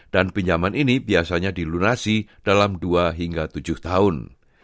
dan pinjaman ini biasanya dilunasi dalam dua hingga tujuh tahun